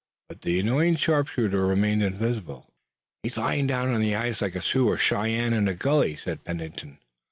But the annoying sharpshooter remained invisible. "He's lying down on the ice like a Sioux or Cheyenne in a gully," said Pennington.